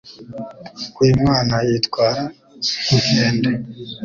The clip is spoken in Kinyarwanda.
uyu mwana yitwara nk'inkende,